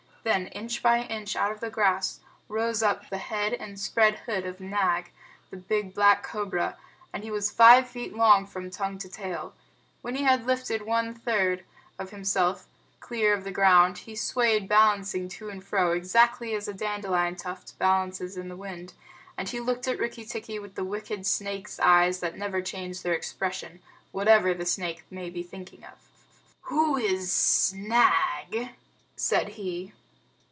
Then inch by inch out of the grass rose up the head and spread hood of Nag, the big black cobra, and he was five feet long from tongue to tail. When he had lifted one third of himself clear of the ground, he stayed balancing to and fro exactly as a dandelion tuft balances in the wind, and he looked at Rikki tikki with the wicked snake's eyes that never change their expression, whatever the snake may be thinking of. "Who is Nag?" said he.